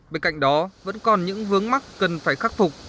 bên cạnh đó vẫn còn những vướng mắc cần phải khắc phục